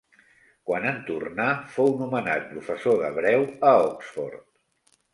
Quan en tornà, fou nomenat professor d'hebreu a Oxford.